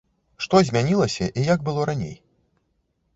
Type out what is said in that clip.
Што змянілася і як было раней?